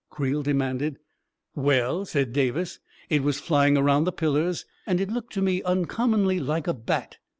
Creel demanded. " Well," said Davis, " it was flying around the pillars, and it looked to me uncommonly like a bat.